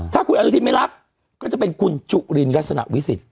ถ้าคุณอนุทินไม่รับก็จะเป็นคุณจุลินลักษณะวิสิทธ